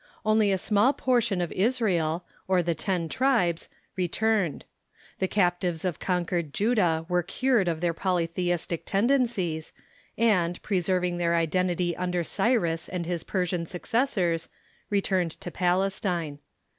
Only a small portion of Israel, or the ten tribes, re turned. The captives of conquered Judah were cured of their polytheistic tendencies, and, preserving their identity under Cj rus and his Persian successors, returned to Palestine.